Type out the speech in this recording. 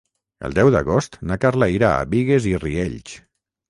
El deu d'agost na Carla irà a Bigues i Riells.